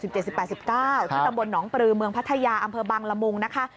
ถ้ั้งติดตามน้องปรือิภภัฐญาอำเภอบังรมุงนะคะ